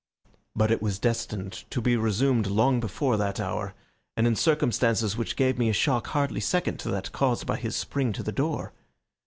But it was destined to be resumed long before that hour, and in circumstances which gave me a shock hardly second to that caused by his spring to the door.